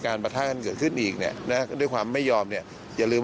ประทะกันเกิดขึ้นอีกเนี่ยนะด้วยความไม่ยอมเนี่ยอย่าลืม